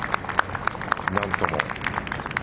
何とも。